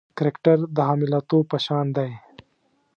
کرکټر د حامله توب په شان دی.